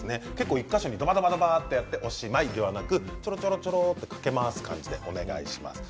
１か所にどばどばっとやっておしまいではなくちょろちょろとかけ回す感じでお願いします。